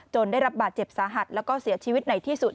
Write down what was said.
ได้รับบาดเจ็บสาหัสแล้วก็เสียชีวิตในที่สุด